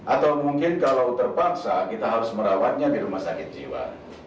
atau mungkin kalau terpaksa kita harus merawatnya di rumah sakit jiwa